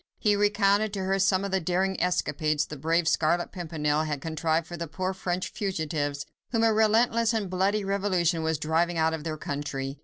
He recounted to her some of the daring escapes the brave Scarlet Pimpernel had contrived for the poor French fugitives, whom a relentless and bloody revolution was driving out of their country.